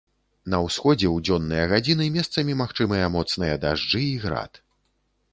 На ўсходзе ў дзённыя гадзіны месцамі магчымыя моцныя дажджы і град.